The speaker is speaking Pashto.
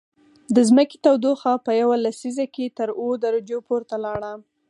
د ځمکې تودوخه په یوه لسیزه کې تر اووه درجو پورته لاړه